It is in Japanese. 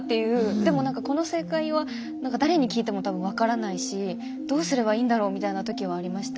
でもこの正解は誰に聞いても多分わからないしどうすればいいんだろうみたいな時はありました。